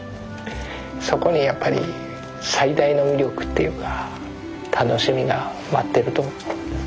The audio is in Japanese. そこにやっぱり最大の魅力っていうか楽しみが待ってると。